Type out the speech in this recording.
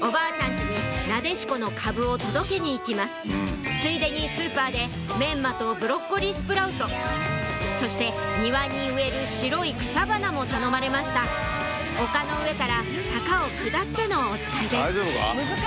家になでしこの株を届けに行きますついでにスーパーでメンマとブロッコリースプラウトそして庭に植える白い草花も頼まれました丘の上から坂を下ってのおつかいです大丈夫か？